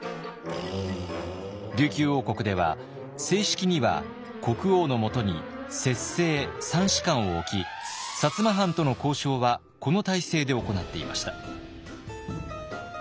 琉球王国では正式には国王のもとに摂政三司官を置き摩藩との交渉はこの体制で行っていました。